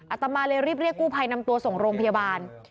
ตมาเลยรีบเรียกกู้ภัยนำตัวส่งโรงพยาบาล